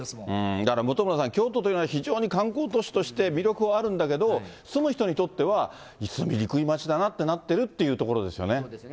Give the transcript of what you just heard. だから本村さん、京都というのは、非常に観光都市として、魅力はあるんだけど、住む人にとっては、住みにくい街だなというところですよね。